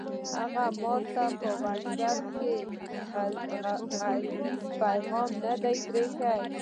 هغه ماته په وټس اپ کې غږیز پیغام نه پرېږدي!